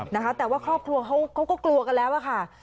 นะคะแต่ว่าครอบครัวเขาก็กลัวกันแล้วอะค่ะ